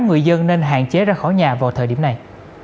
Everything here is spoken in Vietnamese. người dân nên hạn chế ra khỏi nhà vào thời điểm này